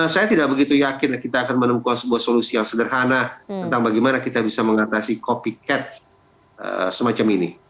saya tidak begitu yakin kita akan menemukan sebuah solusi yang sederhana tentang bagaimana kita bisa mengatasi copy cat semacam ini